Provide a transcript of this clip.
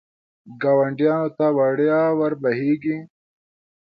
ګاونډیانو ته وړیا ور بهېږي.